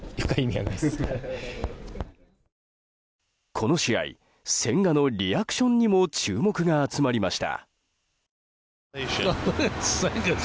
この試合千賀のリアクションにも注目が集まりました。